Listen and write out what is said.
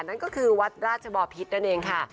นั่นก็คือวัดราชบอพิษนั่นเองค่ะ